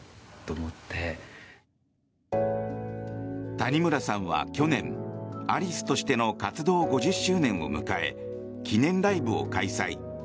谷村さんは去年アリスとしての活動５０周年を迎え記念ライブを開催。